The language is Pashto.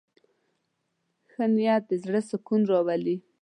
ښه نیت د زړه سکون راولي.